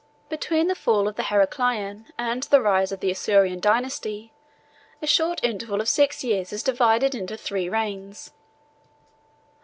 ] Between the fall of the Heraclian and the rise of the Isaurian dynasty, a short interval of six years is divided into three reigns.